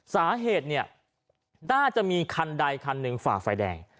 สาเหตุเนี่ยน่าจะมีคันใดคันหนึ่งฝ่าไฟแดง